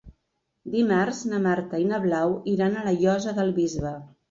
Dimarts na Marta i na Blau iran a la Llosa del Bisbe.